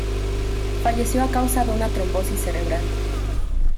Falleció a causa de una trombosis cerebral.